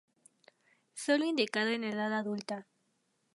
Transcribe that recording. Sólo indicado en edad adulta.